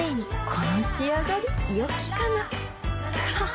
この仕上がりよきかなははっ